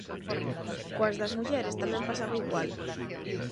Coas das mulleres tamén pasaba igual.